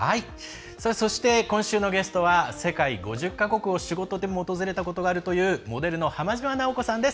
そして、今週のゲストは世界５０か国を仕事でも訪れたことがあるというモデルの浜島直子さんです。